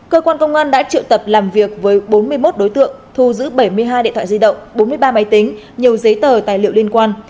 cơ quan công an đã triệu tập làm việc với bốn mươi một đối tượng thu giữ bảy mươi hai điện thoại di động bốn mươi ba máy tính nhiều giấy tờ tài liệu liên quan